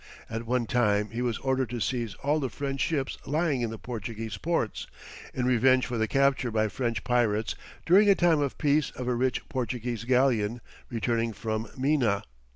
At one time he was ordered to seize all the French ships lying in the Portuguese ports, in revenge for the capture by French pirates during a time of peace of a rich Portuguese galleon returning from Mina.